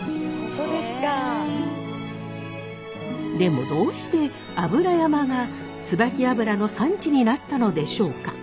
でもどうして油山がつばき油の産地になったのでしょうか？